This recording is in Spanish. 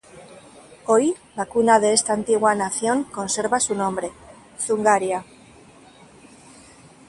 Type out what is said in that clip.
Hoy, la cuna de esta antigua nación conserva su nombre: Zungaria.